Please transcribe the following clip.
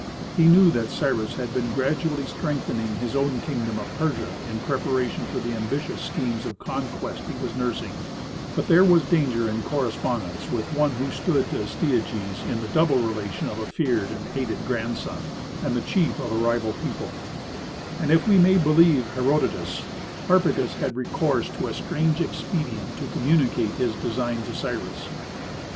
He knew that Cyrus had been gradually strengthening his own kingdom of Persia in preparation for the ambitious schemes of conquest he was nursing, but there was danger in correspondence with one who stood to Astyages in the double relation of a feared and hated grandson, and the chief of a rival people; and if we may believe Herodotus, Harpagus had recourse to a strange expedient to communicate his design to Cyrus.